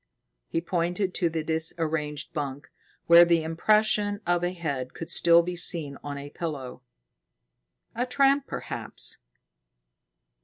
He pointed to the disarranged bunk, where the impression of a head could still be seen on a pillow. "A tramp, perhaps."